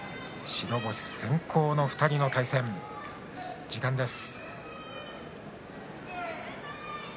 白星先行の２人の対戦です。